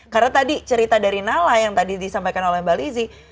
karena tadi cerita dari nala yang tadi disampaikan oleh mbak lizzy